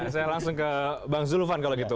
saya langsung ke bang zulfan kalau gitu